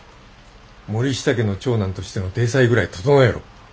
森下家の長男としての体裁ぐらい整えろ。